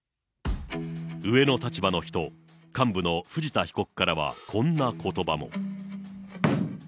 上の立場の人、幹部の藤田被告からはこんなことばも。